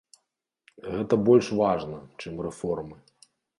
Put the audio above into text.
Гэта больш важна, чым рэформы.